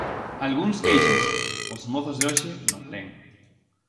Algúns quéixanse: os mozos de hoxe non len.